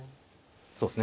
そうですね